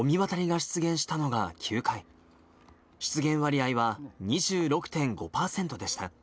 出現割合は２６．５％でした。